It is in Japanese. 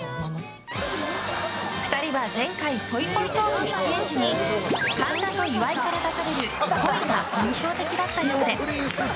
２人は前回ぽいぽいトーク出演時に神田と岩井から出されるっぽいが印象的だったようで。